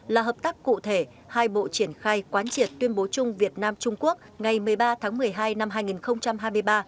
là hợp tác cụ thể hai bộ triển khai quán triệt tuyên bố chung việt nam trung quốc ngày một mươi ba tháng một mươi hai năm hai nghìn hai mươi ba